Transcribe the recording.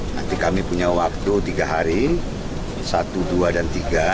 nanti kami punya waktu tiga hari satu dua dan tiga